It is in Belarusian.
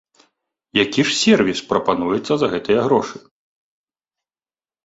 Які ж сервіс прапануецца за гэтыя грошы?